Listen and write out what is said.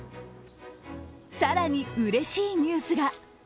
更にうれしいニュースが。